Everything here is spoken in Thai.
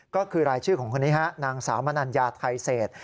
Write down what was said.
ก็คือรายชื่อของคนนี้ฮะนางสาวมนัญญาไทยเศษ